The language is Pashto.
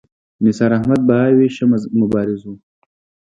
نثار احمد بهاوي ښه مبارز و.